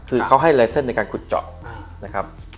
คือเขาให้ลายเซ็นต์ในการคุดเจาะ